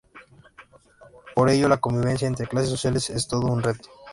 Por ello, la convivencia entre clases sociales es todo un reto.